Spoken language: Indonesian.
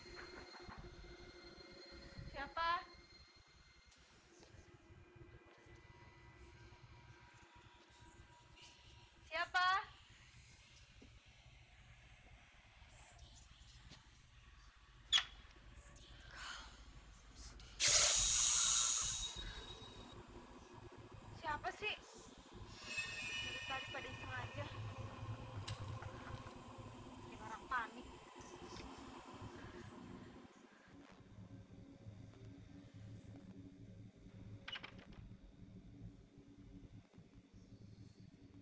juga hantu dong